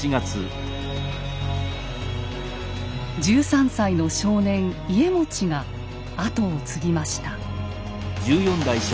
１３歳の少年家茂が跡を継ぎました。